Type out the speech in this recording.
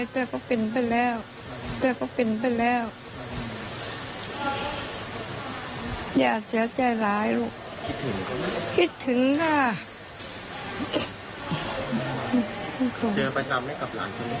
เจอไปซ้ำไว้กับหลานคุณเนี่ย